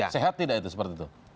sehat tidak itu